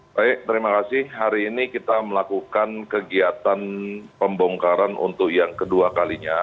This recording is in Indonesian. baik terima kasih hari ini kita melakukan kegiatan pembongkaran untuk yang kedua kalinya